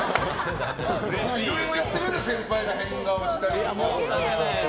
いろいろやってくれる先輩が変顔したり。